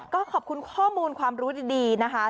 ก็ขอบคุณข้อมูลความรู้ดีนะคะ